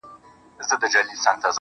گراني انكار.